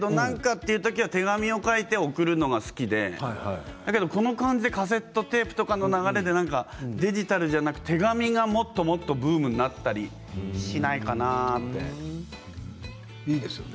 でも、手紙を書いて送るのが好きで、この感じでカセットテープとかの流れでデジタルじゃなくて手紙がもっともっとブームにいいですよね。